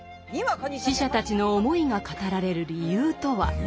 死者たちの思いが語られる理由とは。